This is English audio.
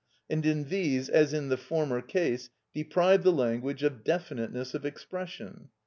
and in these, as in the former case, deprive the language of definiteness of expression.